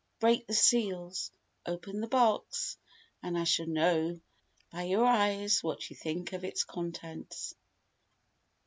Break the seals. Open the box. And I shall know by your eyes what you think of its contents."